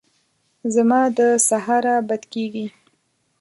زما د سهاره بد کېږي !